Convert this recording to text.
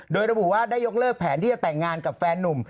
โดยระบุว่าได้ยกเลิกแผนที่จะแต่งงานกับแฟนนุ่ม